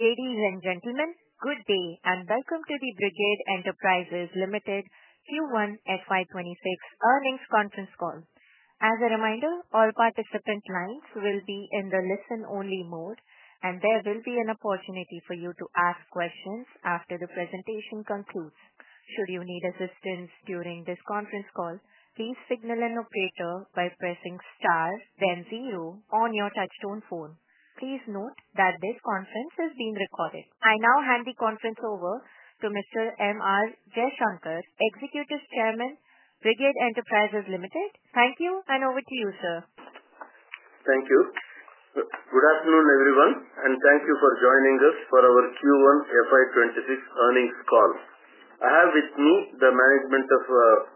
Good evening, gentlemen. Good day, and welcome to the Brigade Enterprises Limited Q1 FY 2026 Earnings Conference Call. As a reminder, all participant lines will be in the listen-only mode, and there will be an opportunity for you to ask questions after the presentation concludes. Should you need assistance during this conference call, please signal an operator by pressing star, then zero, on your touchtone phone. Please note that this conference is being recorded. I now hand the conference over to Mr. M.R. Jaishankar, Executive Chairman, Brigade Enterprises Limited. Thank you, and over to you, sir. Thank you. Good afternoon, everyone, and thank you for joining us for our Q1 FY 2026 Earnings Call. I have with me the management of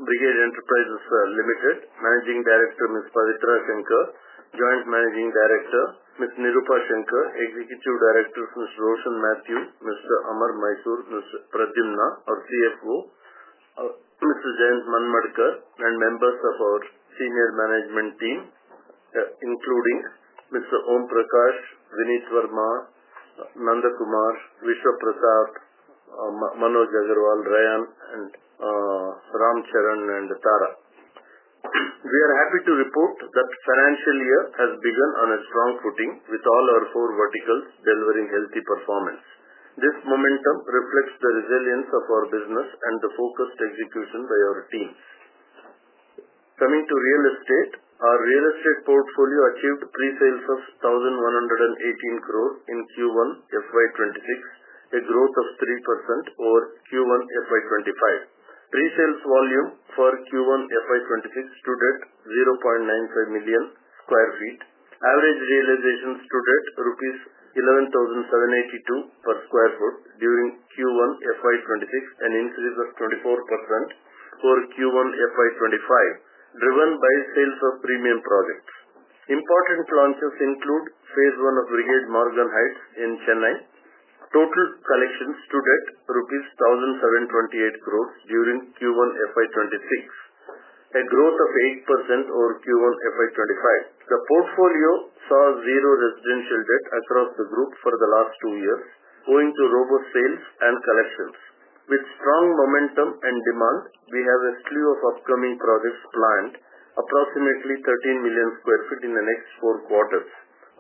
Brigade Enterprises Limited, Managing Director Ms. Pavitra Shankar, Joint Managing Director Ms. Nirupa Shankar, Executive Directors Ms. Roshan Mathew, Mr. Amar Mysore, Ms. Pradyumna Krishnakumar, our CFO, Mr. Jayantt Manmadkar, and members of our senior management team, including Mr. Om Prakash, Vineet Verma, Nanda Kumar, Vishal Prasad, Manoj Agarwal, Rayan, Ramcharan, and Tara. We are happy to report that the financial year has begun on a strong footing with all our four verticals delivering healthy performance. This momentum reflects the resilience of our business and the focused execution by our teams. Coming to real estate, our real estate portfolio achieved pre-sales of 1,118 crore in Q1 FY 2026, a growth of 3% over Q1 FY 2025. Pre-sales volume for Q1 FY 2026 stood at 0.95 million sq ft. Average realization stood at INR 11,782 per sq ft during Q1 FY 2026, an increase of 24% over Q1 FY 2025, driven by sales of premium products. Important launches include phase I of Brigade Morgan Heights in Chennai. Total collections stood at INR 1,728 crore during Q1 FY 2026, a growth of 8% over Q1 FY 2025. The portfolio saw zero residential debt across the group for the last two years, owing to robust sales and collections. With strong momentum and demand, we have a slew of upcoming projects planned, approximately 13 million sq ft in the next four quarters.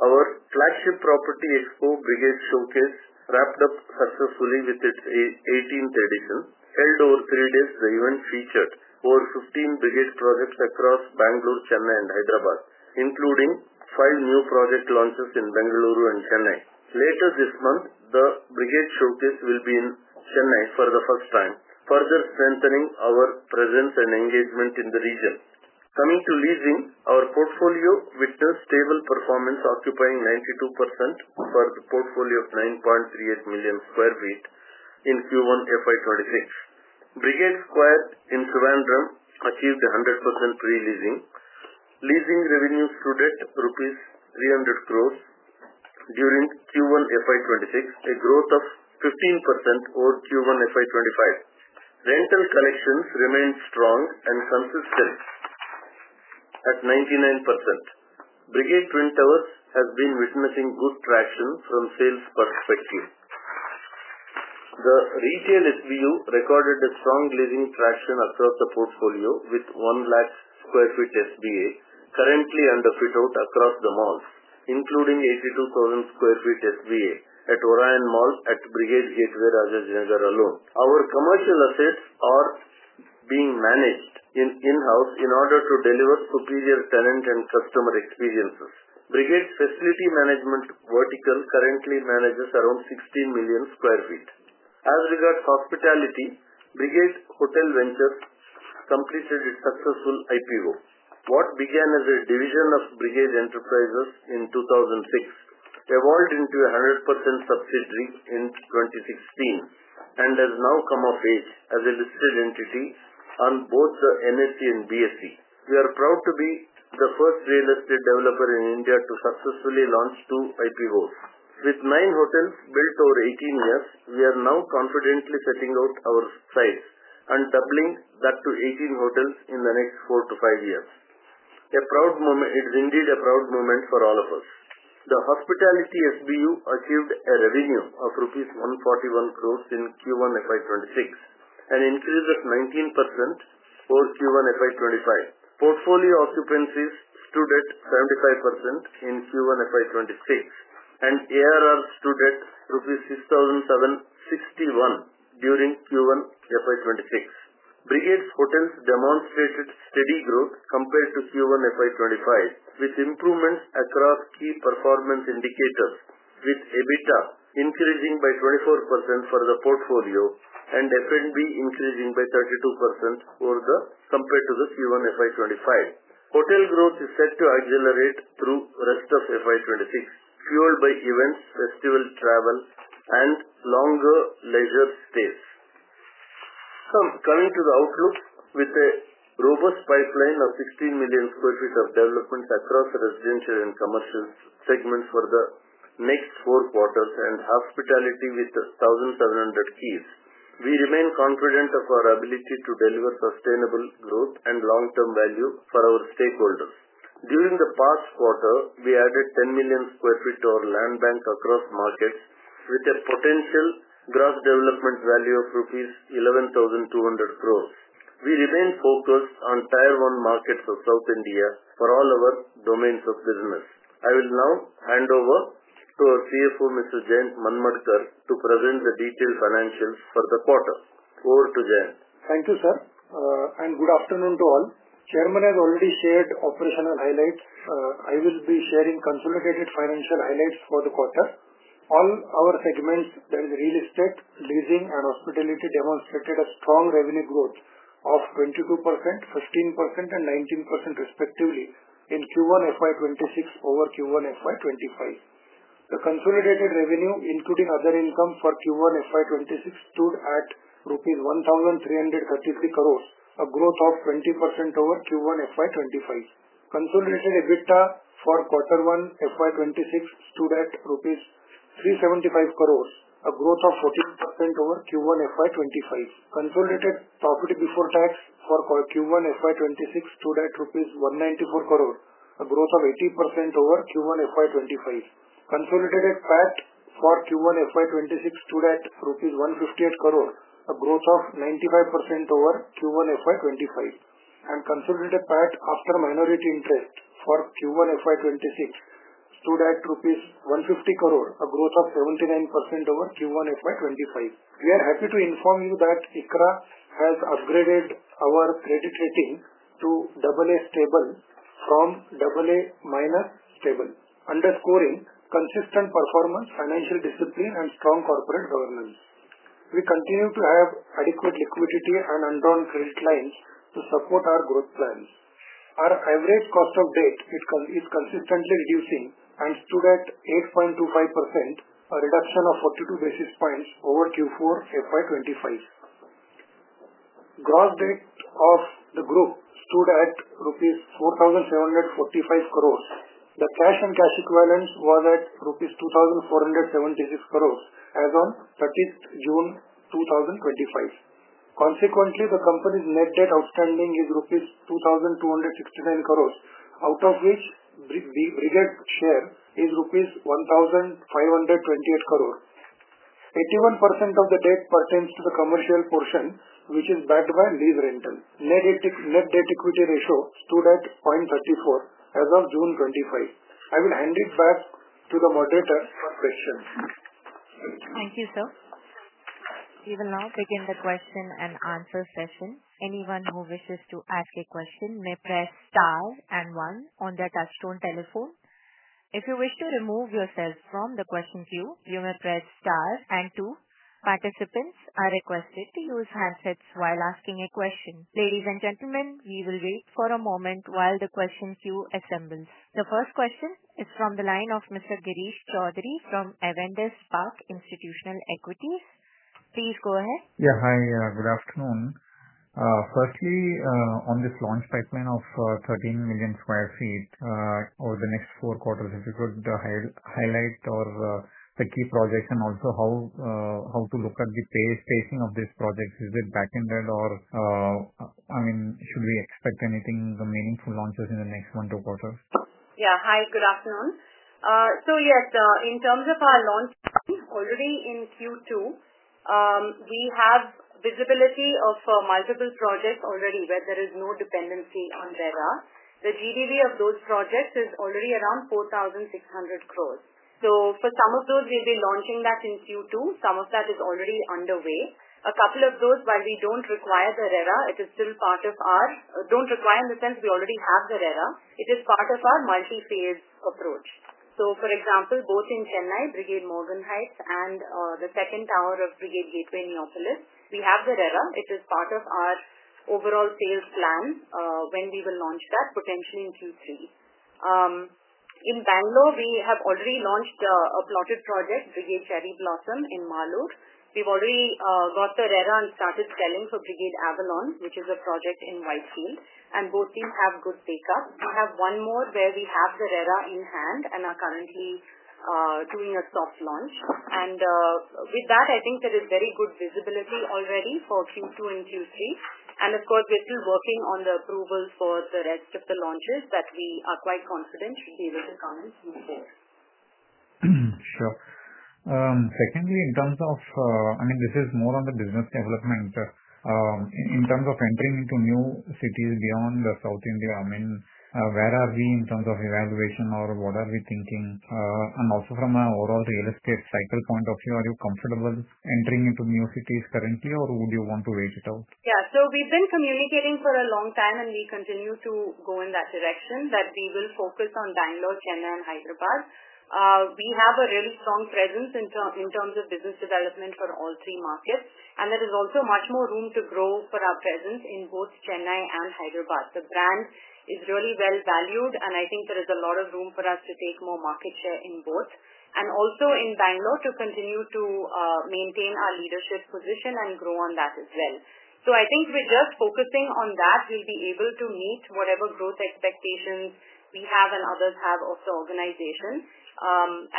Our flagship property, Expo Brigade Showcase, wrapped up successfully with its 18th edition, and over three days, the event featured over 15 biggest projects across Bangalore, Chennai, and Hyderabad, including five new project launches in Bangalore and Chennai. Later this month, the Brigade Showcase will be in Chennai for the first time, further strengthening our presence and engagement in the region. Coming to leasing, our portfolio with stable performance, occupying 92% for the portfolio of 9.38 million sq ft in Q1 FY 2026. Brigade Square in Trivandrum achieved 100% pre-leasing. Leasing revenue stood at rupees 300 crore during Q1 FY 2026, a growth of 15% over Q1 FY 2025. Rental collections remained strong and consistent at 99%. Brigade Twin Towers has been witnessing good traction from sales perspectives. The retail SVU recorded a strong leasing traction across the portfolio with 1 lakh sq ft SBA currently under fit-out across the malls, including 82,000 sq ft SBA at Orion Mall at Brigade Gateway, Rajarajagar alone. Our commercial assets are being managed in-house in order to deliver coterial tenant and customer experiences. Brigade's facility management vertical currently manages around 16 million sq ft. As regards hospitality, Brigade Hotel Ventures Limited completed a successful IPO. What began as a division of Brigade Enterprises Limited in 2006 evolved into a 100% subsidiary in 2016 and has now come of age as a listed entity on both the NSE and BSE. We are proud to be the first real estate developer in India to successfully launch two IPOs. With nine hotels built over 18 years, we are now confidently setting out our sights and doubling that to 18 hotels in the next 4-5 years. It is indeed a proud moment for all of us. The hospitality SVU achieved a revenue of INR 141 crore in Q1 FY 2026, an increase of 19% over Q1 FY 2025. Portfolio occupancies stood at 75% in Q1 FY 2026, and ARR stood at rupees 6,761 during Q1 FY 2026. Brigade's hotels demonstrated steady growth compared to Q1 FY 2025, with improvements across key performance indicators, with EBITDA increasing by 24% for the portfolio and F&B increasing by 32% compared to Q1 FY 2025. Hotel growth is set to accelerate through the rest of FY 2026, fueled by events, festivals, travel, and longer leisure stays. Coming to the outlook, with a robust pipeline of 16 million sq ft of development across residential and commercial segments for the next four quarters and hospitality with 1,700 keys, we remain confident of our ability to deliver sustainable growth and long-term value for our stakeholders. During the past quarter, we added 10 million sq ft to our land bank across markets with a potential gross development value of rupees 11,200 crore. We remain focused on tier one markets of South India for all our domains of business. I will now hand over to our CFO, Mr. Jayantt Manmadkar, to present the detailed financials for the quarter. Over to Jayantt. Thank you, sir, and good afternoon to all. Chairman has already shared operational highlights. I will be sharing consolidated financial highlights for the quarter. All our segments, that is real estate, leasing, and hospitality, demonstrated a strong revenue growth of 22%, 15%, and 19% respectively in Q1 FY 2026 over Q1 FY 2025. The consolidated revenue, including other income for Q1 FY 2026, stood at rupees 1,333 crore, a growth of 20% over Q1 FY 2025. Control using EBITDA for quarter one FY 2026 stood at INR 375 crore, a growth of 40% over Q1 FY 2025. Consolidated profit before tax for Q1 FY 2026 stood at INR 194 crore, a growth of 80% over Q1 FY 2025. Consolidated PAT for Q1 FY 2026 stood at INR 158 crore, a growth of 95% over Q1 FY 2025. Consolidated PAT after minority interest for Q1 FY 2026 stood at INR 150 crore, a growth of 79% over Q1 FY 2025. We are happy to inform you that ICRA has upgraded our credit rating to AA stable from AA minus stable, underscoring consistent performance, financial discipline, and strong corporate governance. We continue to have adequate liquidity and undrawn cash line to support our growth plan. Our average cost of debt is consistently reducing and stood at 8.25%, a reduction of 42 basis points over Q4 FY 2025. Gross debt of the group stood at rupees 4,745 crore. The cash and cash equivalent was at rupees 2,476 crore as of 30th of June, 2025. Consequently, the company's net debt outstanding is rupees 2,269 crore, out of which the project share is rupees 1,528 crore. 81% of the debt pertains to the commercial portion, which is backed by lease rental. Net debt-to-equity ratio stood at 0.34 as of June 2025. I will hand it back to the moderator. Questions. Thank you, sir. We will now begin the question and answer session. Anyone who wishes to ask a question may press star and one on their touchtone telephone. If you wish to remove yourself from the question queue, you may press star and two. Participants are requested to use handsets while asking a question. Ladies and gentlemen, we will wait for a moment while the question queue assembles. The first question is from the line of Mr. Girish Choudhary from Avendus Spark Institutional Equities. Please go ahead. Yeah, hi. Good afternoon. Firstly, on this launch pipeline of 13 million sq ft over the next four quarters, if you could highlight the key projects and also how to look at the spacing of these projects. Is it back-ended, or should we expect anything in the meaningful launches in the next one to two quarters? Yeah, hi. Good afternoon. Yes, in terms of our launch already in Q2, we have visibility of multiple projects already where there is no dependency on RERA. The GDV of those projects is already around 4,600 crore. For some of those, we'll be launching that in Q2. Some of that is already underway. A couple of those, while we don't require the RERA, it is still part of our—don't require in the sense we already have the RERA. It is part of our multiphase approach. For example, both in Chennai, Brigade Morgan Heights and the second tower of Brigade Gateway Monopolis, we have the RERA. It is part of our overall sales plan when we will launch that potentially in Q3. In Bangalore, we have already launched a plotted project, Brigade Cherry Blossom in Marlowe. We've already got the RERA and started scaling for Brigade Avalon, which is a project in Whitefield. Both teams have good stake up. We have one more where we have the RERA in hand and are currently doing a soft launch. With that, I think there is very good visibility already for Q2 inclusive. Of course, we're still working on the approvals for the rest of the launches that we are quite confident we will be able to move forward. Sure. Secondly, in terms of, I mean, this is more on the business development. In terms of entering into new cities beyond South India, I mean, where are we in terms of evaluation or what are we thinking? Also, from an overall real estate cycle point of view, are you comfortable entering into new cities currently, or would you want to wait it out? Yeah, we have been communicating for a long time, and we continue to go in that direction that we will focus on Bangalore, Chennai, and Hyderabad. We have a really strong presence in terms of business development for all three markets. There is also much more room to grow for our presence in both Chennai and Hyderabad. The brand is really well valued, and I think there is a lot of room for us to take more market share in both. In Bangalore, we continue to maintain our leadership position and grow on that as well. I think we're just focusing on that. We'll be able to meet whatever growth expectations we have and others have of the organization.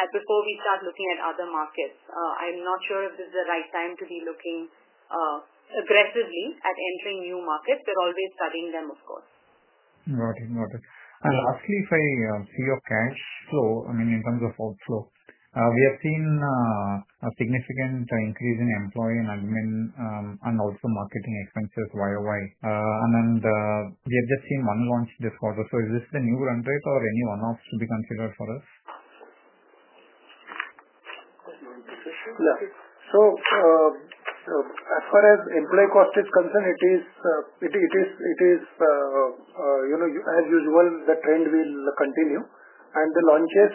Before we start looking at other markets, I'm not sure if this is the right time to be looking aggressively at entering new markets. We're always studying them, of course. Got it. Got it. Lastly, if I see your cash flow, I mean, in terms of outflow, we have seen a significant increase in employee and admin and also marketing expenses YoY. We have just seen one launch this quarter. Is this the new run rate or any one-off to be considered for us? No. As far as employee cost is concerned, it is, you know, as usual, the trend will continue. The launches,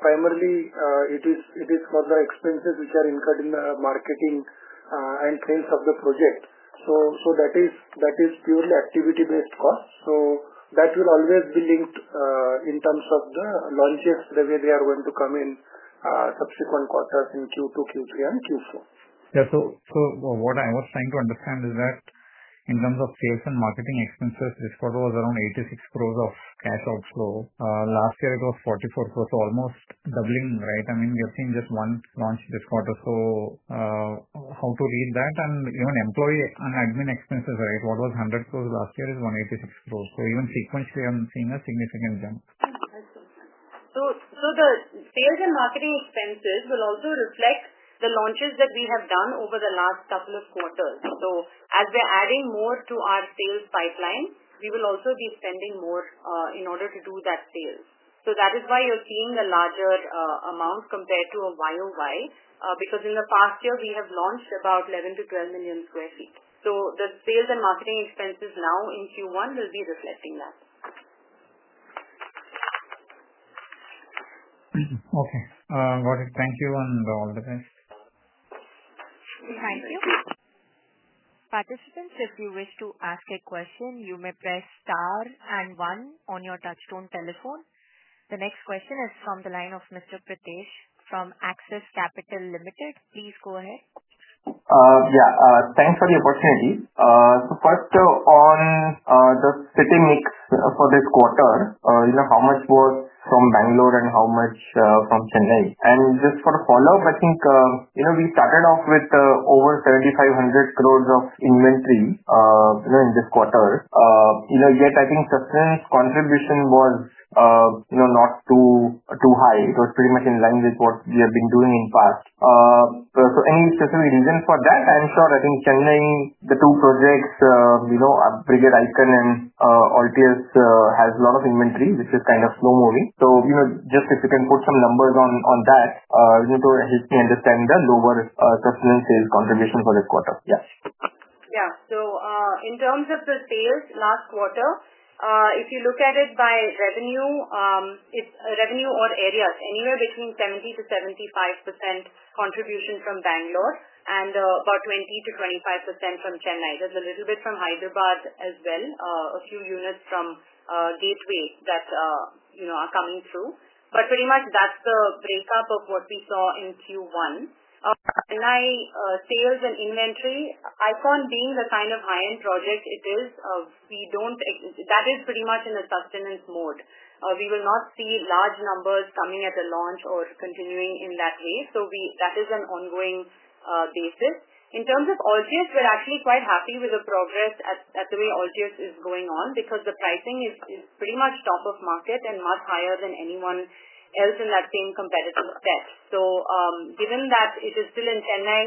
primarily, it is for the expenses which are incurred in the marketing and things of the project. That is purely activity-based costs. That will always be linked in terms of the launches where they are going to come in subsequent quarters in Q2, Q3, right? Yeah, what I was trying to understand is that in terms of sales and marketing expenses, this quarter was around 86 crore of cash outflow. Last year, it was 44 crore, so almost doubling, right? I mean, we have seen just one launch this quarter. How to read that? You know, employee and admin expenses, what was 100 crore last year is 186 crore. Even sequentially, I'm seeing a significant jump. The sales and marketing expenses will also reflect the launches that we have done over the last couple of quarters. As we're adding more to our sales pipeline, we will also be spending more in order to do that sales. That is why you're seeing a larger amount compared to a YoY because in the past year, we have launched about 11 million-12 million sq ft. The sales and marketing expenses now in Q1 will be reflecting that. Okay. Got it. Thank you and all the best. Hi. If you wish to ask a question, you may press star and one on your touchtone telephone. The next question is from the line of Mr. Pritesh from Axis Capital Limited. Please go ahead. Yeah, thanks for the opportunity. First, on the city mix for this quarter, how much was from Bangalore and how much from Chennai? Just for a follow-up, I think we started off with over 7,500 crore of inventory in this quarter. Yet, I think subsidies contribution was not too high. It was pretty much in line with what we have been doing in the past. Is there any specific reason for that? Sir, I think Chennai, the two projects, Brigade Icon and Altius, have a lot of inventory, which is kind of slow-moving. If you can put some numbers on that to help me understand the lower subsidies contribution for this quarter. Yes. Yeah. In terms of the sales last quarter, if you look at it by revenue, it's revenue or areas anywhere between 70%-75% contribution from Bangalore and about 20%-25% from Chennai. There's a little bit from Hyderabad as well, a few units from Gateway that are coming through. Pretty much, that's the breakup of what we saw in Q1. Chennai sales and inventory, Icon, being the kind of high-end project it is, we don't, that is pretty much in a sustenance mode. We will not see large numbers coming at the launch or continuing in that way. That is an ongoing basis. In terms of Altius, we're actually quite happy with the progress that the way Altius is going on because the pricing is pretty much top of market and much higher than anyone else in that same competitive pair. Given that it is still in Chennai,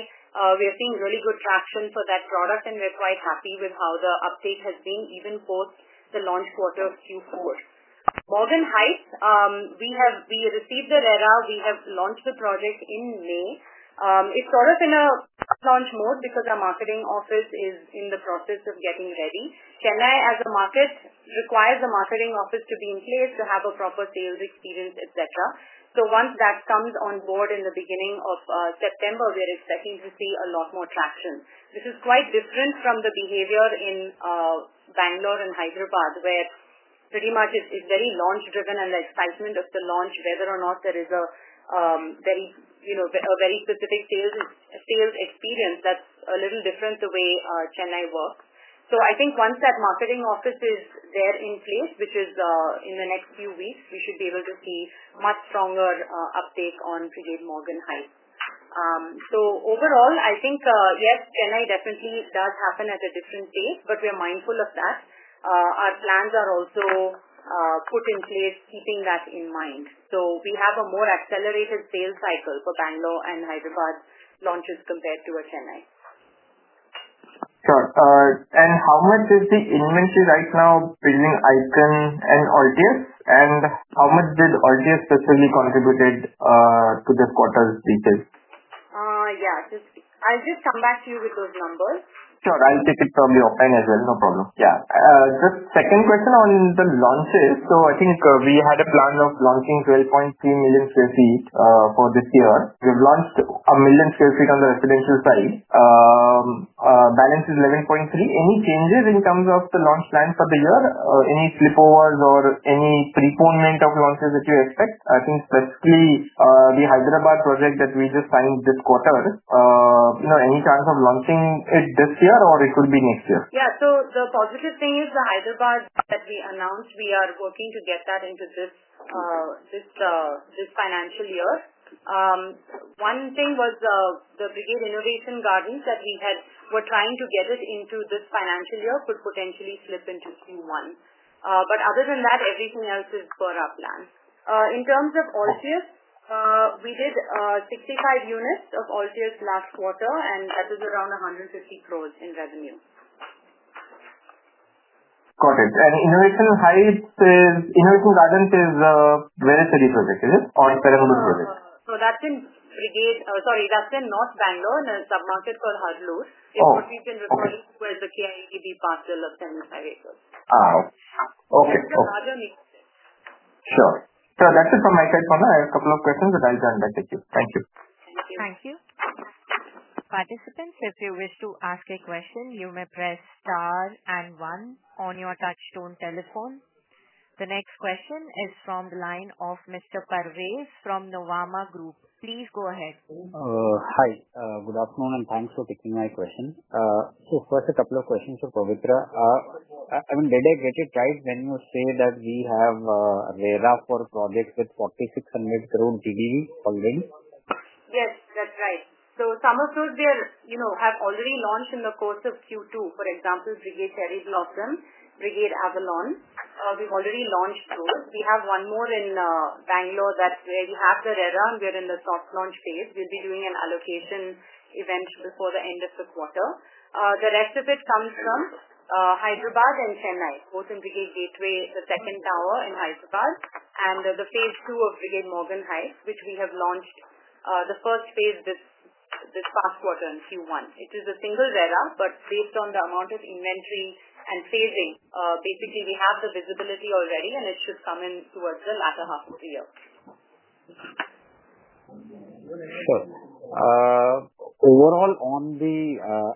we are seeing really good traction for that product, and we're quite happy with how the uptake has been even post the launch quarter of Q4. Brigade Morgan Heights, we received the RERA. We have launched the project in May. It's sort of in a launch mode because our marketing office is in the process of getting ready. Chennai, as a market, requires the marketing office to be in place to have a proper sales experience, etc. Once that comes on board in the beginning of September, we're expecting to see a lot more traction. This is quite different from the behavior in Bangalore and Hyderabad, where pretty much it's very launch-driven and the excitement of the launch, whether or not there is a very specific sales experience. That's a little different the way Chennai works. I think once that marketing office is there in place, which is in the next few weeks, we should be able to see much stronger uptake on Brigade Morgan Heights. Overall, I think, yes, Chennai definitely does happen at a different pace, but we are mindful of that. Our plans are also put in place keeping that in mind. We have a more accelerated sales cycle for Bangalore and Hyderabad launches compared to Chennai. Sure. How much is the inventory right now, bringing Icon and Altius? How much did Altius specifically contribute to the quarter's details? I'll just come back to you with those numbers. Sure. I'll take it from your point as well. No problem. Just second question on the launches. I think we had a plan of launching 12.3 million sq ft for this year. We've launched a million sq ft on the residential side. Balance is 11.3. Any changes in terms of the launch plan for the year? Any flipovers or any preponent of launches that you expect? I think specifically the Hyderabad project that we just signed this quarter. Any chance of launching it this year or it could be next year? Yeah. The positive thing is the Hyderabad that we announced, we are working to get that into this financial year. One thing was the bigger renovation gardens that we had. We're trying to get it into this financial year, could potentially slip into Q1. Other than that, everything else is per our plan. In terms of Altius, we did 65 units of Altius last quarter, and that was around 150 crore in revenue. Got it. Innovation Heights is Innovation Gardens, is it a city project, or is that a project? No, that's in Brigade, sorry, that's in North Bangalore in a submarket called Haralur. It's what we've been referring to as the KIED Park Deal of 75 acres. Okay. Sure. That's it from my side, For now. I have a couple of questions, and I'll turn back to you. Thank you. Thank you. Participants, if you wish to ask a question, you may press star and one on your touchtone telephone. The next question is from the line of Mr. Parvez from Novama Group. Please go ahead. Hi. Good afternoon, and thanks for taking my question. First, a couple of questions for Pavitra. I mean, did I get it right when you say that we have a RERA for projects with 4,600 crore GDV holding? Yes, that's right. Some of those have already launched in the course of Q2. For example, Brigade Cherry Blossom and Brigade Avalon. We've already launched those. We have one more in Bangalore that's already had the RERA. We're in the soft launch phase and will be doing an allocation event before the end of the quarter. The rest of it comes from Hyderabad and Chennai, both in Brigade Gateway, the second tower in Hyderabad, and the phase two of Brigade Morgan Heights, which we have launched the first phase this past quarter in Q1. It is a single RERA, but based on the amount of inventory and phasing, we have the visibility already, and it's just coming towards the latter half of the year. Overall, on the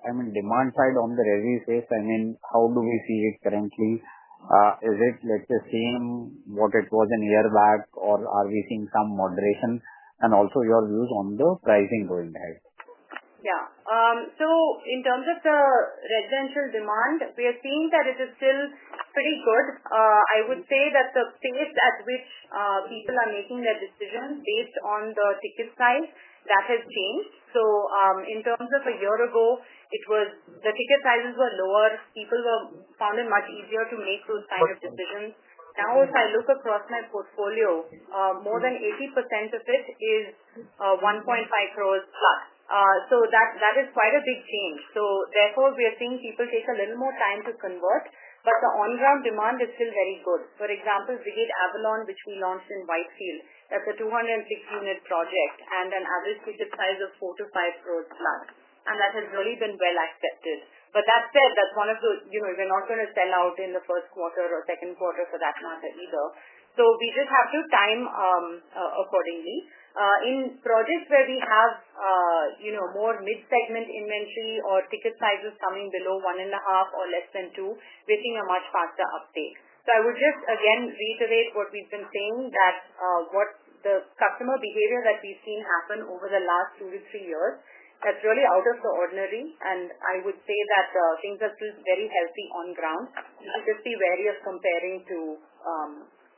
demand side on the revenue space, how do we see it currently? Is it, let's say, same what it was a year back, or are we seeing some moderation? Also, your views on the pricing going ahead. Yeah. In terms of the residential demand, we are seeing that it is still pretty good. I would say that the pace at which people are making their decisions based on the ticket size, that has changed. In terms of a year ago, the ticket sizes were lower. People found it much easier to make those kind of decisions. Now, if I look across my portfolio, more than 80% of it is 1.5+ crores. That is quite a big change. Therefore, we are seeing people take a little more time to convert, but the on-ground demand is still very good. For example, Brigade Avalon, which we launched in Whitefield, that's a 260-unit project and an average ticket size of 4-5+ crores. That has really been well accepted. That said, that's one of the, you know, we're not going to sell out in the first quarter or second quarter for that market either. We just have to time accordingly. In projects where we have more mid-segment inventory or ticket sizes coming below 1.5 crores or less than 2 crores, we're seeing a much faster uptake. I would just, again, reiterate what we've been saying, that what the customer behavior that we've seen happen over the last two to three years, that's really out of the ordinary. I would say that things are still very healthy on ground, even if you're comparing to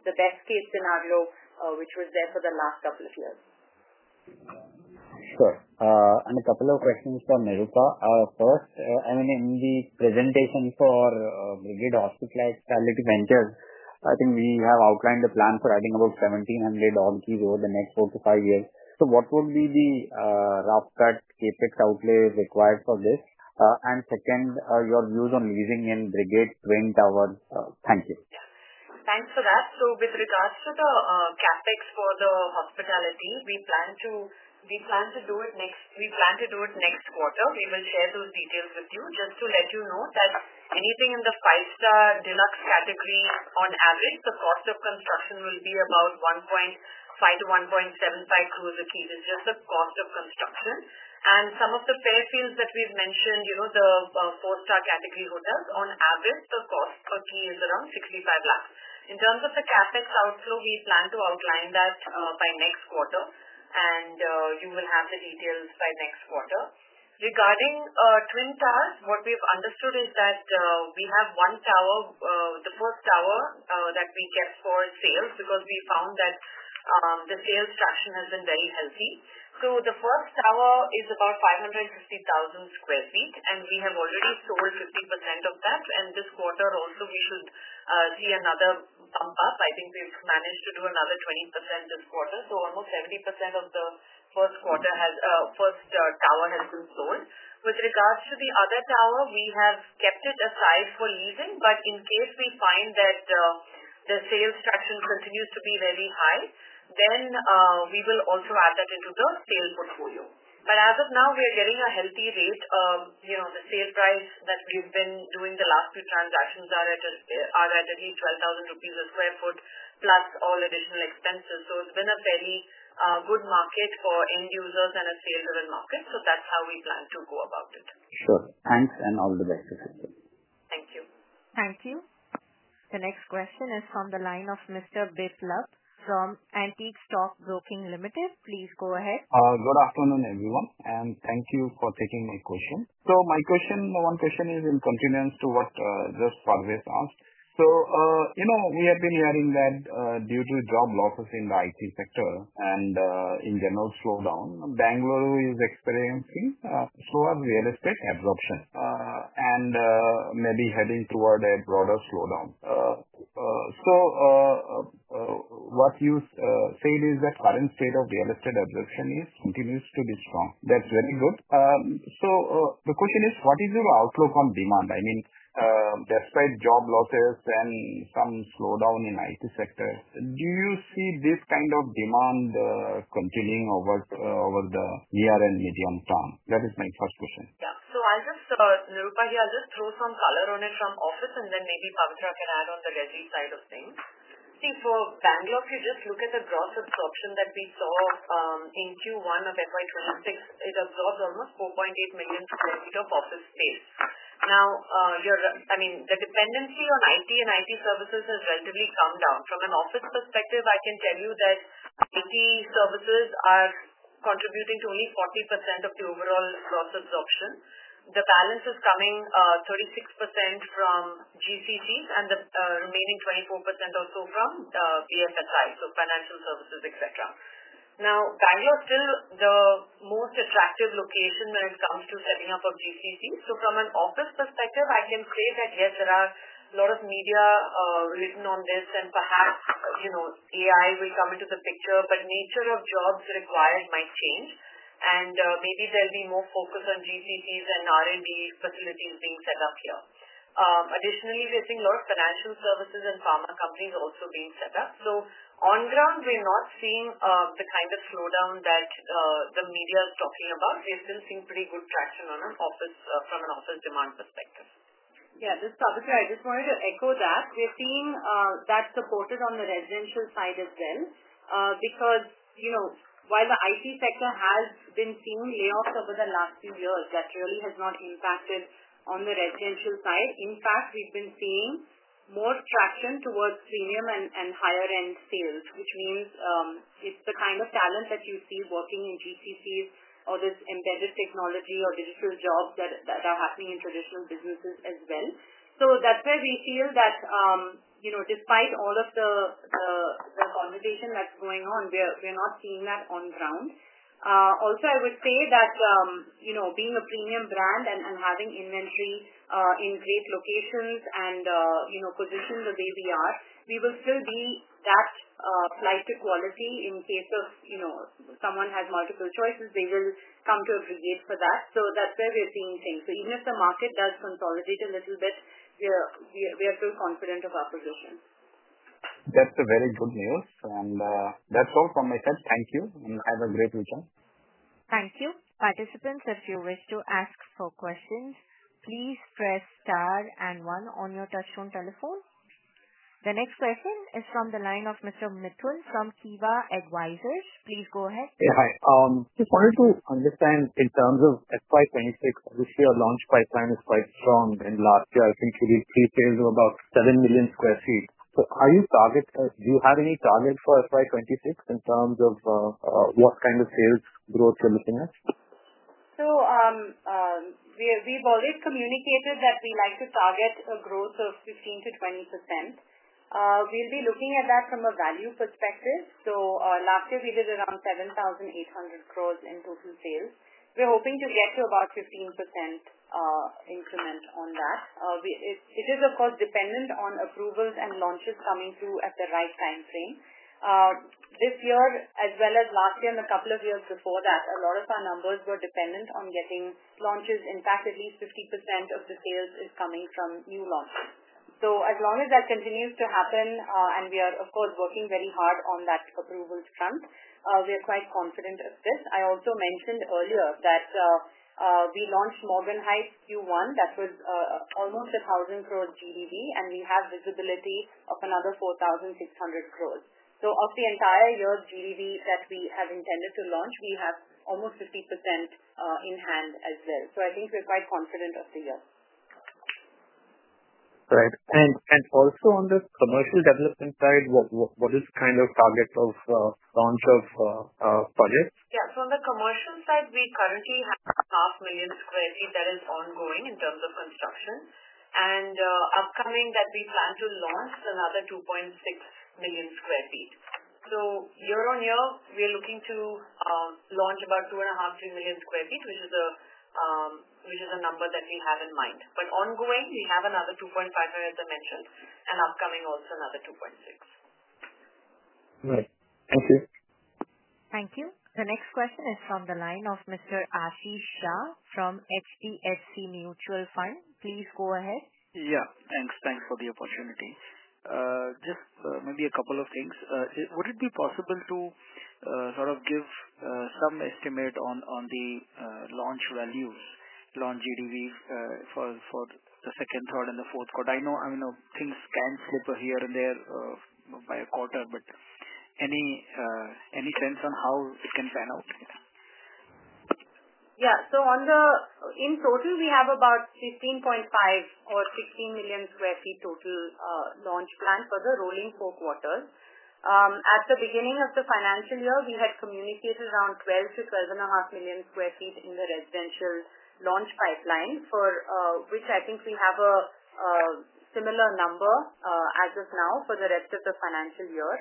the best-case scenario, which was there for the last couple of years. Sure. A couple of questions for Nirupa. First, I mean, in the presentation for Brigade Hotel Ventures Limited, I think we have outlined the plan for adding about 1,700 odd keys over the next 4-5 years. What would be the rough cut CapEx outlay required for this? Second, your views on leasing in Brigade Twin Towers. Thank you. Thanks for that. With regards to the CapEx for the hospitality, we plan to do it next quarter. We will share those details with you. Just to let you know, anything in the five-star deluxe category, on average, the cost of construction will be about 1.5 to 1.75 crore a key. It's just the cost of construction. Some of the Fairfields that we've mentioned, you know, the four-star category hotels, on average, the cost per key is around 6.5 million. In terms of the CapEx outflow, we plan to outline that by next quarter, and you will have the details by next quarter. Regarding Brigade Twin Towers, what we've understood is that we have one tower, the first tower that we kept for sales because we found that the sales traction has been very healthy. The first tower is about 550,000 sq ft, and we have already sold 50% of that. This quarter also, we should see another bump up. I think we've managed to do another 20% this quarter. Almost 70% of the first tower has been sold. With regards to the other tower, we have kept it aside for leasing. In case we find that the sales traction continues to be very high, then we will also add that into the sale portfolio. As of now, we are getting a healthy rate. The sale price that we've been doing the last few transactions are at around 12,000 rupees a sq ft plus all additional expenses. It's been a fairly good market for end users and a sales-driven market. That's how we plan to go about it. Sure, thanks and all the best. Thank you. Thank you. The next question is from the line of Mr. Biplab from Antique Stock Broking Limited. Please go ahead. Good afternoon, everyone, and thank you for taking my question. My question is in continuance to what just Parvez asked. We have been hearing that due to job losses in the IT sector and in general slowdown, Bangalore is experiencing slower real estate absorption and maybe heading toward a broader slowdown. What you said is that the current state of real estate absorption continues to be strong. That's very good. The question is, what is your outlook on demand? I mean, despite job losses and some slowdown in the IT sector, do you see this kind of demand continuing over the year and medium term? That is my first question. Yeah. I'll just, Nirupa here, I'll just throw some color on it from Office, and then maybe Pavitra can add on the legacy side of things. For Bangalore, if you just look at the gross absorption that we saw in Q1 of FY 2026, it absorbs almost 4.8 million sq ft of office space. Now, the dependency on IT and IT services has relatively come down. From an office perspective, I can tell you that IT services are contributing to only 40% of the overall gross absorption. The balance is coming 36% from GCCs and the remaining 24% or so from BSSI, so financial services, etc. Bangalore is still the most attractive location when it comes to setting up a GCC. From an office perspective, I can say that, yes, there are a lot of media written on this and perhaps, you know, AI will come into the picture, but the nature of jobs required might change. Maybe there'll be more focus on GCCs and R&D facilities being set up here. Additionally, we're seeing a lot of financial services and pharma companies also being set up. On ground, we're not seeing the kind of slowdown that the media is talking about. We're still seeing pretty good traction from an office demand perspective. Yeah, this is Pavitra. I just wanted to echo that. We're seeing that the quarter on the residential side is thin because, you know, while the IT sector has been seeing layoffs over the last few years, that really has not impacted on the residential side. In fact, we've been seeing more traction towards premium and higher-end sales, which means it's the kind of talent that you see working in GCCs or those embedded technology or digital jobs that are happening in traditional businesses as well. That's where we feel that, you know, despite all of the conversation that's going on, we're not seeing that on ground. Also, I would say that, you know, being a premium brand and having inventory in great locations and, you know, conditions the way we are, we will still be that flight to quality in case of, you know, someone has multiple choices. They will come to a Brigade for that. That's where we're seeing things. Even if the market does consolidate a little bit, we are still confident of our position. That's very good news. That's all from my side. Thank you and have a great weekend. Thank you. Participants, if you wish to ask questions, please press star and one on your touchtone telephone. The next question is from the line of Mr. Mithun from Kivah Advisors. Please go ahead. Yeah, hi. I wanted to understand in terms of FY 2026, your launch pipeline is quite strong. Last year, I think you did pre-sales of about 7 million sq ft. Do you have any target for FY 2026 in terms of what kind of sales growth you're looking at? We've always communicated that we like to target a growth of 15%-20%. We'll be looking at that from a value perspective. Last year, we did around 7,800 crore in total sales. We're hoping to get to about a 15% increment on that. It is, of course, dependent on approvals and launches coming through at the right timeframe. This year, as well as last year and a couple of years before that, a lot of our numbers were dependent on getting launches. In fact, at least 50% of the sales is coming from new launch. As long as that continues to happen, and we are, of course, working very hard on that approvals front, we are quite confident of this. I also mentioned earlier that we launched Brigade Morgan Heights in Q1. That was almost 1,000 crore GDV, and we have visibility of another 4,600 crore. Of the entire year GDV that we have intended to launch, we have almost 50% in hand as well. I think we're quite confident of the year. Right. Also, on this commercial development side, what is the kind of target of launch of projects? Yeah. On the commercial side, we currently have 500,000 sq ft that is ongoing in terms of construction. Upcoming, we plan to launch another 2.6 million sq ft. Year-on-year, we're looking to launch about 2.5 million-3 million sq ft, which is a number that we have in mind. Ongoing, we have another 2.5 million, as I mentioned, and upcoming also another 2.6. Right. Thank you. Thank you. The next question is from the line of Mr. Ashish Shah from HDFC Mutual Fund. Please go ahead. Yeah. Thanks for the opportunity. Maybe a couple of things. Would it be possible to sort of give some estimate on the launch value, launch GDV, for the second, third, and the fourth quarter? I know things can swoop here and there by a quarter, but any sense on how it can pan out? Yeah. On the in total, we have about 15.5 or 16 million sq ft total launch planned for the rolling four quarters. At the beginning of the financial year, we had communicated around 12 million-12.5 million sq ft in the residential launch pipeline, for which I think we have a similar number as of now for the rest of the financial year.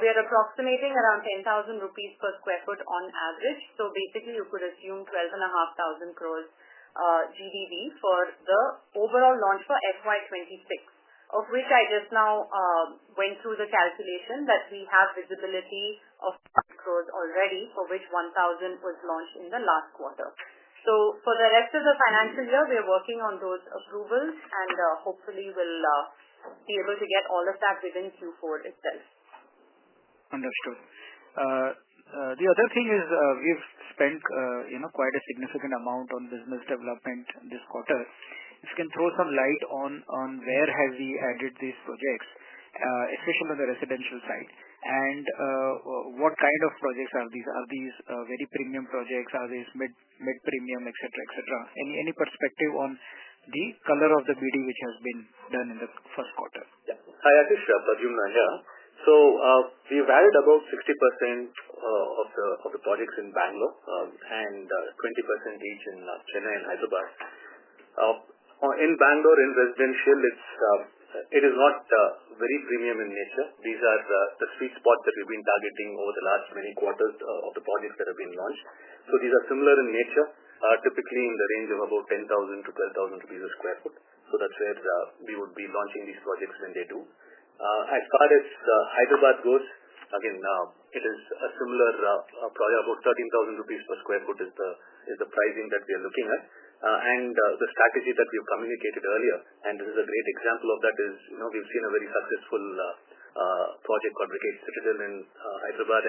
We're approximating around 10,000 rupees per sq ft on average. Basically, you could assume 12,500 crore GDV for the overall launch for FY 2026, of which I just now went through the calculation that we have visibility of crores already, for which 1,000 crore was launched in the last quarter. For the rest of the financial year, we're working on those approvals and hopefully, we'll be able to get all of that within Q4 itself. Understood. The other thing is, we've spent quite a significant amount on business development this quarter. If you can throw some light on where have we added these projects, especially on the residential side, and what kind of projects are these? Are these very premium projects? Are these mid-premium, etc.? Any perspective on the color of the beauty which has been done in the first quarter? Hi, Ashish, it's Pradyumna. We've added about 60% of the projects in Bangalore, and 20% each in Chennai and Hyderabad. In Bangalore, in residential, it's not very premium in nature. These are the sweet spot that we've been targeting over the last three quarters of the projects that have been launched. These are similar in nature, typically in the range of about 10,000-12,000 rupees a sq ft. That's where we would be launching these projects when they do. As far as Hyderabad goes, again, it is a similar project. About 13,000 rupees per sq ft is the pricing that we are looking at. The strategy that we've communicated earlier, and this is a great example of that, is, you know, we've seen a very successful project, Brigade Citadel in Hyderabad.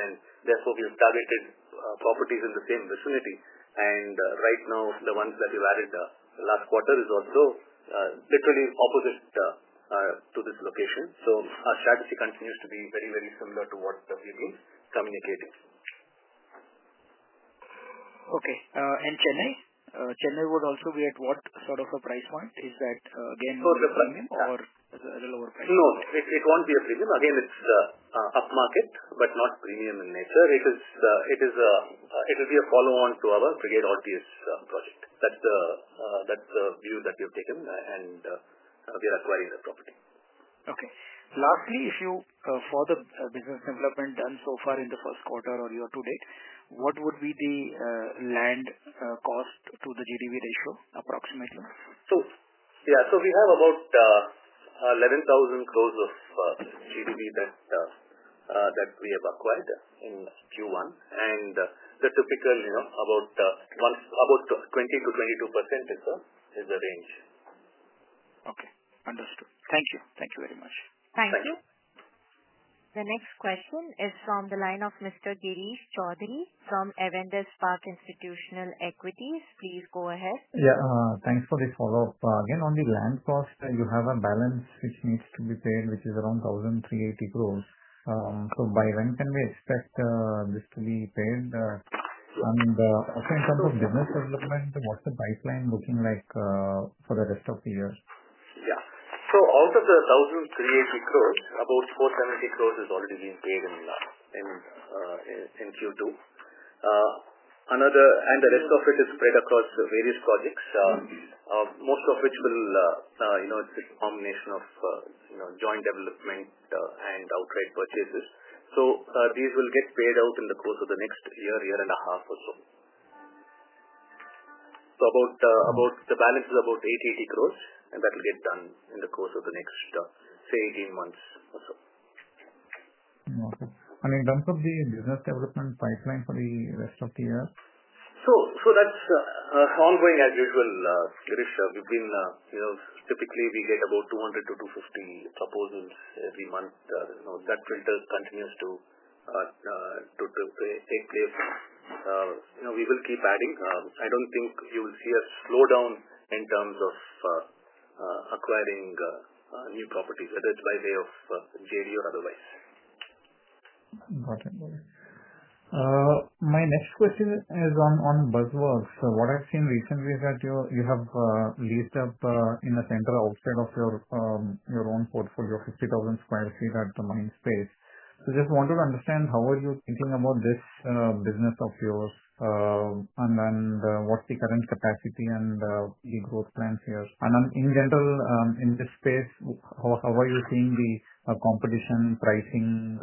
Therefore, we've targeted properties in the same vicinity. Right now, the ones that we've added last quarter are also literally opposite to this location. Our strategy continues to be very, very similar to what we've communicated. Okay. Chennai? Chennai would also be at what sort of a price point? Is that, again, a premium or at a lower price? No, it won't be a premium. Again, it's upmarket, but not premium in nature. It will be a follow-on to our Brigade Altius project. That's the view that we've taken, and we're acquiring the property. Okay. Lastly, if you, for the business development done so far in the first quarter or year to date, what would be the land cost to the GDV ratio approximately? We have about 11,000 crores of GDV that we have acquired in Q1, and the typical, you know, about 20% to 22% is the range. Okay. Understood. Thank you. Thank you very much. Thank you. The next question is from the line of Mr. Girish Choudhury from Avendus Park Institutional Equities. Please go ahead. Yeah, thanks for this follow-up. Again, on the land cost, you have a balance which needs to be paid, which is around 1,380 crore. By when can we expect this to be paid? Also, in terms of business development, what's the price line looking like for the rest of the year? Out of the 1,380 crores, about 470 crores is already being paid in Q2. The rest of it is spread across the various projects, most of which will, you know, it's a combination of, you know, joint development and outright purchases. These will get paid out in the course of the next year, year and a half or so. The balance is about 880 crores, and that will get done in the course of the next, say, 18 months. Okay, in terms of the business development price line for the rest of the year? That's ongoing as usual, Girish. We've been, you know, typically, we get about 200-250 proposals every month. You know, that filter continues to take place. You know, we will keep adding. I don't think you will see a slowdown in terms of acquiring new properties, whether it's by way of GDV or otherwise. Got it. No worries. My next question is on BuzzWorks. What I've seen recently is that you have leased up, in a center outside of your own portfolio, 50,000 sq ft at the mind space. I just wanted to understand how are you thinking about this business of yours, and what's the current capacity and the growth plans here? In general, in this space, how are you seeing the competition, pricing,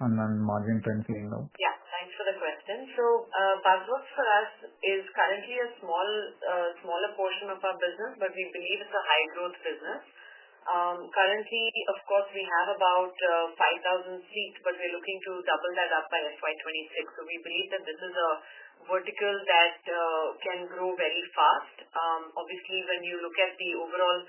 and margin trends here? Yeah. Thanks for the question. BuzzWorks for us is currently a smaller portion of our business, but we believe it's a high-growth business. Currently, we have about 5,000 seats, but we're looking to double that up by FY 2026. We believe that this is a vertical that can grow very fast. Obviously, when you look at the overall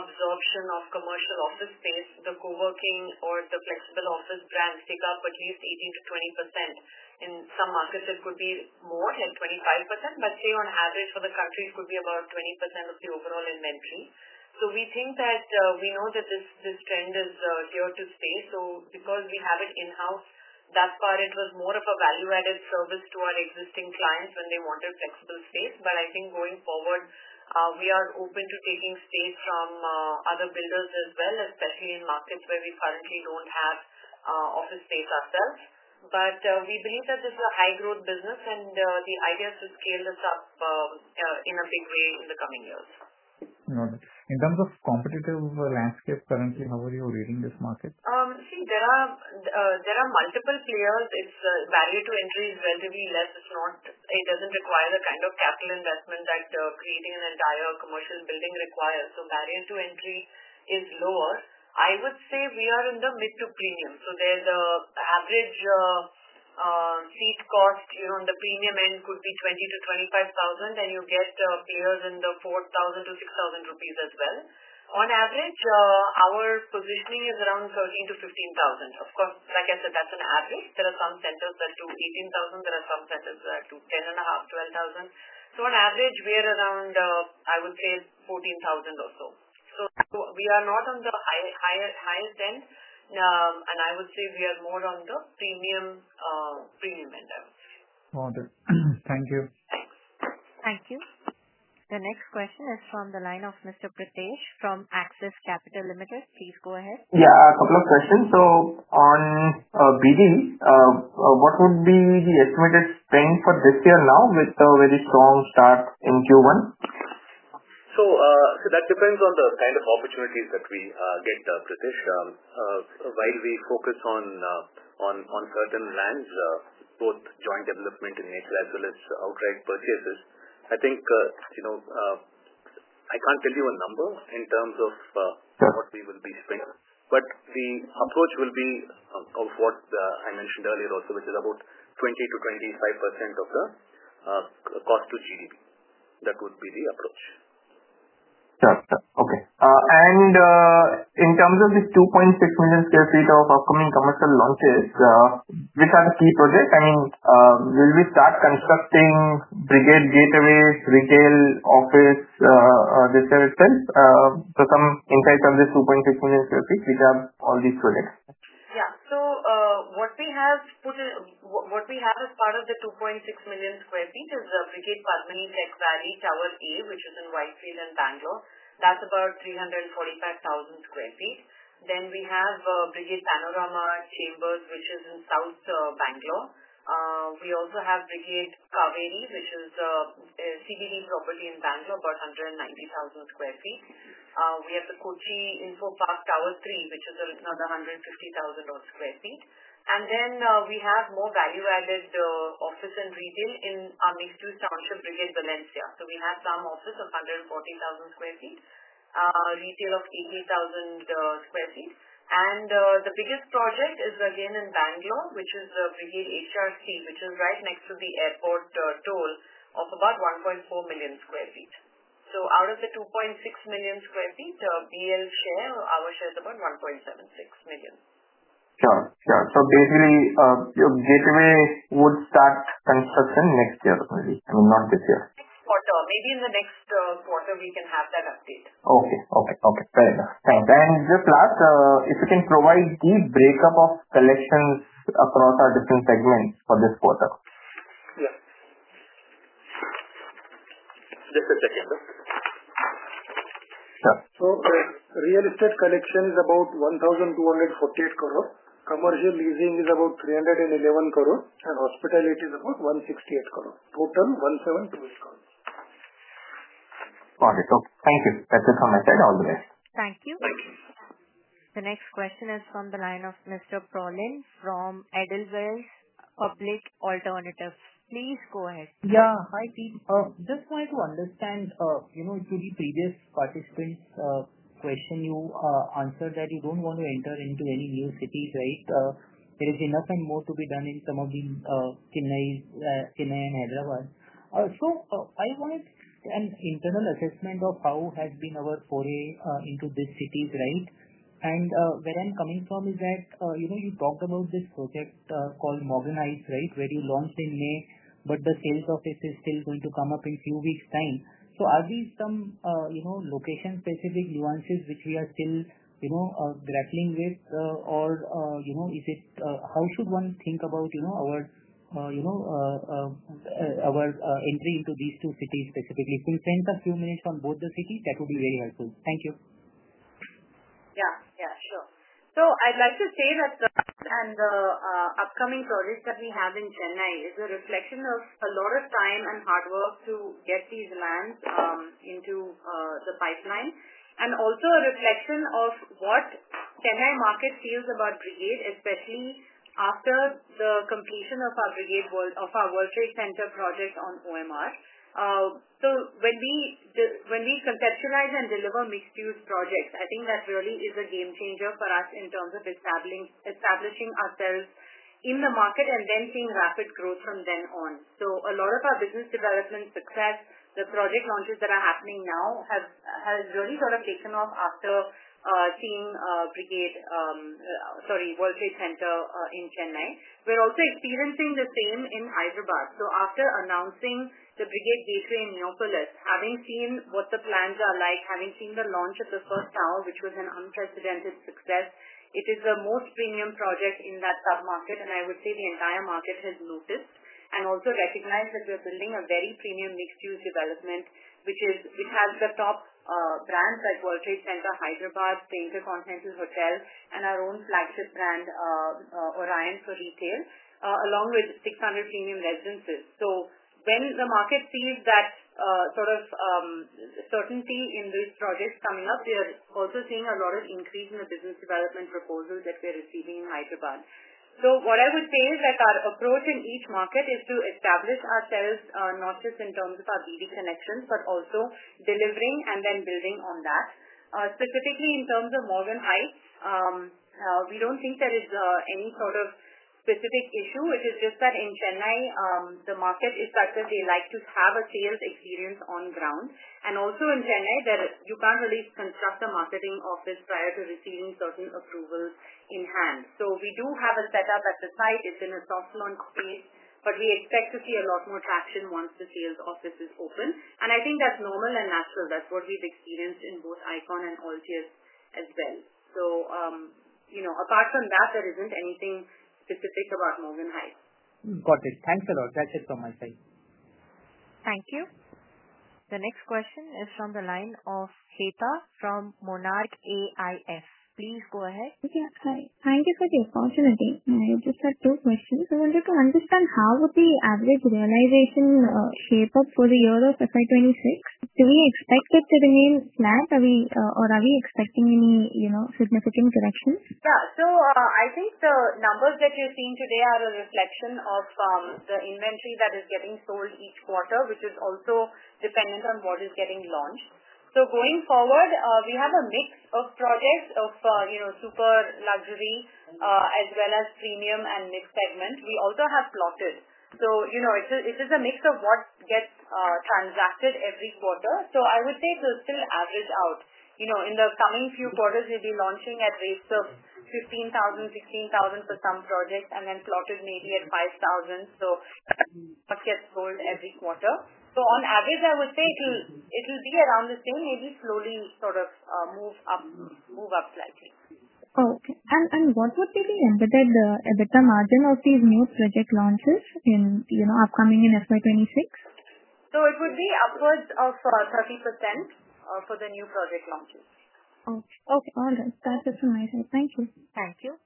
absorption of commercial office space, the coworking or the flexible office brands take up at least 18%-20%. In some markets, it could be more at 25%. On average for the country, it could be about 20% of the overall inventory. We think that this trend is here to stay. Because we have it in-house, that part was more of a value-added service to our existing clients when they wanted flexible space. I think going forward, we are open to taking space from other builders as well, especially in markets where we currently don't have office space ourselves. We believe that this is a high-growth business, and the idea is to scale this up in a big way in the coming years. Got it. In terms of competitive landscape currently, how are you rating this market? There are multiple tiers. Its barrier to entry is relatively less. It does not require the kind of capital investment that creating an entire commercial building requires. The barrier to entry is lower. I would say we are in the mid to premium. The average seat cost on the premium end could be 20,000-25,000. Then you get a period in the 4,000-6,000 rupees range as well. On average, our positioning is around 13,000-15,000. Of course, like I said, that's an average. There are some centers that do 18,000. There are some centers that do 10,500, 12,000. On average, we are around, I would say, 14,000 or so. We are not on the highest end. I would say we are more on the premium, pre-inventor. Got it. Thank you. Thank you. The next question is from the line of Mr. Pritesh from Axis Capital Limited. Please go ahead. Yeah, a couple of questions. On BD, what would be the estimated spend for this year now with the very strong start in Q1? That depends on the kind of opportunities that we get to accomplish. While we focus on certain lands, both joint development initial as well as outright purchases, I think, you know, I can't tell you a number in terms of what we will be spending. The approach will be of what I mentioned earlier also, which is about 20%-25% of the cost to GDV. That would be the approach. Got it. Okay, and in terms of this 2.6 million sq ft of upcoming commercial launches, which are the key projects? I mean, will we start constructing Brigade Gateway, Rigel office, this kind of space? Some insights of this 2.6 million sq ft, which are all these projects. Yeah. What we have as part of the 2.6 million sq ft is the Brigade Padmini Tech Valley Tower A, which is in Whitefield in Bangalore. That's about 345,000 sq ft. We have Brigade Panorama Chambers, which is in South Bangalore. We also have Brigade Cauvery, which is a CGD property in Bangalore, about 190,000 sq ft. We have the Kochi Infopark Tower 3, which is another 150,000 sq ft. We have more value-added office and retail in our next two towns in Brigade Valencia. We have some office of 140,000 sq ft, retail of 80,000 sq ft. The biggest project is again in Bangalore, which is the Brigade HRC, which is right next to the airport toll of about 1.4 million sq ft. Out of the 2.6 million sq ft, BL share, our share is about 1.76 million. Sure. Your Gateway would start construction next year, I mean, not this year. Maybe in the next quarter, we can have that update. Okay. Fair enough. Thanks. Just last, if you can provide the breakup of collections across our different segments for this quarter. Real estate collection is about 1,248 crore. Commercial leasing is about 311 crore, and hospitality is about 168 crore. Total is 1,727 crore. Got it. Okay, thank you. That's it from my side. All the best. Thank you. Thank you. The next question is from the line of Mr. Prolin from Edelweiss Public Alternatives. Please go ahead. Yeah. Hi, team. Just wanted to understand, you know, to the previous participant's question, you answered that you don't want to enter into any new cities, right? There is enough and more to be done in some of the Chennai and Hyderabad. I wanted an internal assessment of how has been our foray into these cities, right? Where I'm coming from is that, you know, we talked about this project called Brigade Morgan Heights, right, where you launched in May, but the sales of this is still going to come up in a few weeks' time. Are these some, you know, location-specific nuances which we are still, you know, grappling with, or, you know, is it how should one think about, you know, our, you know, our entry into these two cities specifically? If you can spend a few minutes on both the cities, that would be very helpful. Thank you. Yeah. Sure. I'd like to say that the upcoming projects that we have in Chennai is a reflection of a lot of time and hard work to get these lands into the pipeline and also a reflection of what the Chennai market feels about Brigade, especially after the completion of our World Trade Center projects on OMR. When we conceptualize and deliver mixed-use projects, I think that really is a game changer for us in terms of establishing ourselves in the market and then seeing rapid growth from then on. A lot of our business development success, the project launches that are happening now, have really sort of taken off after seeing World Trade Center in Chennai. We're also experiencing the same in Hyderabad. After announcing the Brigade Gateway in Neopalis, having seen what the plans are like, having seen the launch of the first tower, which was an unprecedented success, it is the most premium project in that submarket. I would say the entire market has noticed and also recognized that we're building a very premium mixed-use development, which has the top brands like World Trade Center Hyderabad, Plainview Continental Hotel, and our own flagship brand, Orion for Retail, along with 600 premium residences. When the market sees that sort of certainty in these projects coming up, we are also seeing a lot of increase in the business development proposals that we're receiving in Hyderabad. What I would say is that our approach in each market is to establish ourselves, not just in terms of our BD connections, but also delivering and then building on that. Specifically in terms of Brigade Morgan Heights, we don't think there is any sort of specific issue. It is just that in Chennai, the market is such that they like to have a sales experience on ground. Also, in Chennai, you can't really construct a marketing office prior to receiving certain approvals in hand. We do have a setup at the site. It's in a soft launch phase, but we expect to see a lot more traction once the sales office is open. I think that's normal and natural. That's what we've experienced in both Icon and Altius as well. Apart from that, there isn't anything specific about Brigade Morgan Heights. Got it. Thanks a lot. That's it from my side. Thank you. The next question is from the line of Heta from Monarch AIS. Please go ahead. Thank you for the opportunity. I just have two questions. I wanted to understand how would the average realization shape up for the year of FY 2026? Do we expect it to remain flat, or are we expecting any significant corrections? Yeah. I think the numbers that you've seen today are a reflection of the inventory that is getting sold each quarter, which is also dependent on what is getting launched. Going forward, we have a mix of projects of, you know, super luxury, as well as premium and mixed segments. We also have plotted. It is a mix of what gets transacted every quarter. I would say it will still average out. In the coming few quarters, we'll be launching at rates of 15,000, 16,000 for some projects, and then plotted maybe at 5,000. That gets rolled every quarter. On average, I would say it'll be around the same, maybe slowly sort of move up, move up slightly. Okay. What would be the amount of these new project launches upcoming in FY 2026? It would be upwards of 30% for the new project launches. Oh, okay. That's amazing. Thank you. Thank you.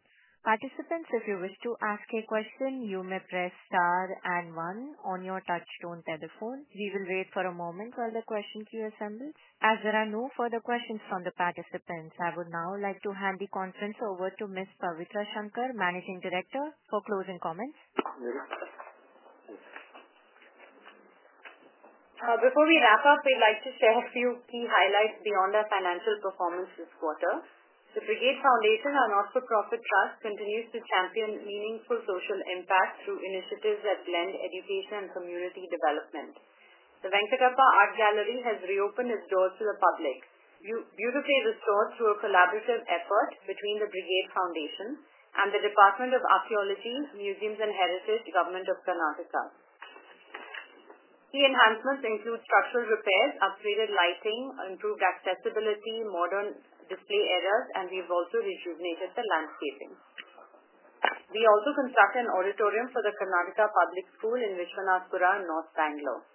Participants, if you wish to ask a question, you may press star and one on your touchstone telephone. We will wait for a moment while the questions are assembled. As there are no further questions from the participants, I would now like to hand the conference over to Ms. Pavitra Shankar, Managing Director, for closing comments. Before we wrap up, we'd like to share a few key highlights beyond our financial performance this quarter. The Brigade Foundation's not-for-profit trust continues to champion meaningful social impact through initiatives that blend education and community development. The Venkatappa Art Gallery has reopened its doors to the public. You can pay the store through a collaborative effort between the Brigade Foundation and the Department of Archaeology, Museums, and Heritage, Government of Karnataka. Key enhancements include structural repair, upgraded lighting, improved accessibility, modern display areas, and we've also rejuvenated the landscaping. We also constructed an auditorium for the Karnataka Public School in Vishwanathpura, North Bangalore.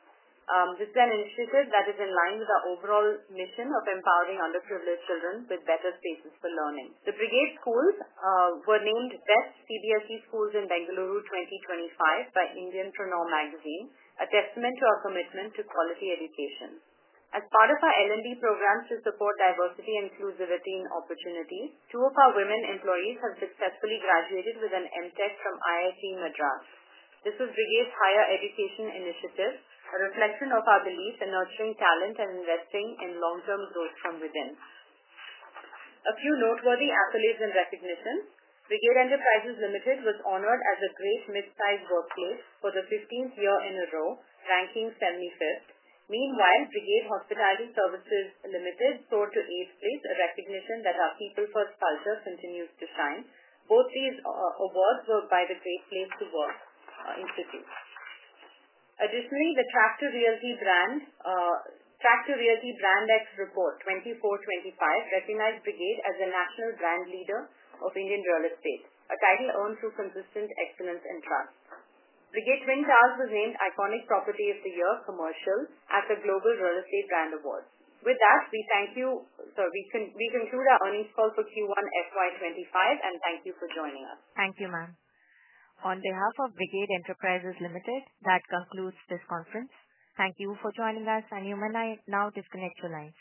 This is an initiative that is in line with our overall mission of empowering underprivileged children with better spaces for learning. The Brigade Schools were named Best CBSE Schools in Bengaluru 2025 by India For Now magazine, a testament to our commitment to quality education. As part of our L&D programs to support diversity, inclusivity, and opportunities, two of our women employees have successfully graduated with an MTech from IIT Madras. This is Brigade's higher education initiative, a reflection of our belief in nurturing talent and investing in long-term growth from within. A few noteworthy affiliates and recognitions. Brigade Enterprises Limited was honored as a great mid-size workplace for the 15th year in a row, ranking 75th. Meanwhile, Brigade Hospitality Services Limited soared to 8th place, a recognition that our People First culture continues to shine. Both these awards were by the Great Place to Work Institute. Additionally, the Track2Realty BrandXReport 2024-25 recognized Brigade as a national brand leader of Indian real estate, a title earned through consistent excellence and trust. Brigade Twin Towers was named Iconic Property of the Year Commercial at the Global Real Estate Brand Award. With that, we thank you. We conclude our earnings call for Q1 FY 2026, and thank you for joining us. Thank you, ma'am. On behalf of Brigade Enterprises Limited, that concludes this conference. Thank you for joining us, and you may now disconnect your lines.